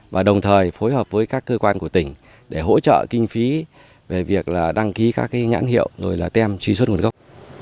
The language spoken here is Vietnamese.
và đồng thời phối hợp với các cơ quan của tỉnh để hỗ trợ kinh phí về việc là đăng ký các nhãn hiệu rồi là tem truy xuất nguồn gốc